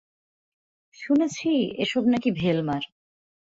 শুনেছি এসব নাকি ভেলমার।